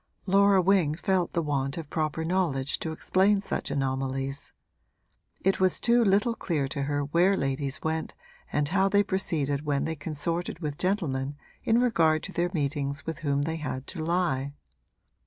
Laura Wing felt the want of proper knowledge to explain such anomalies. It was too little clear to her where ladies went and how they proceeded when they consorted with gentlemen in regard to their meetings with whom they had to lie.